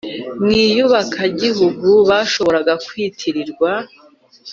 mu iyubakagihugu bashoboraga kwitirirwa